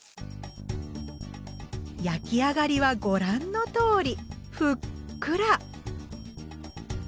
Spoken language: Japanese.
焼き上がりはご覧のとおりふっくら！